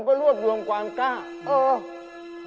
ผมก็รวดรวมความกล้าเออ